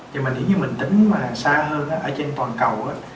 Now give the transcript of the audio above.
nhưng mà nếu như mình tính mà xa hơn ở trên toàn cầu